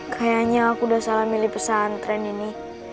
kayaknya aku udah salah milih pesantren ini